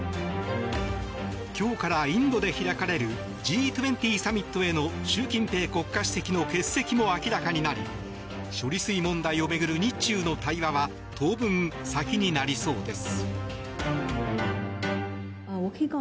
今日からインドで開かれるＧ２０サミットへの習近平国家主席の欠席も明らかになり処理水問題を巡る日中の対話は当分先になりそうです。